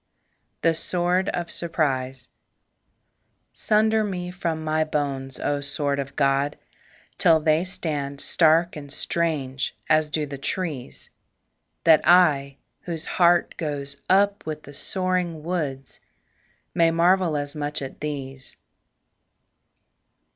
THE SWORD OF SURPRISE Sunder me from my bones, O sword of God, Till they stand stark and strange as do the trees; That I whose heart goes up with the soaring woods May marvel as much at these.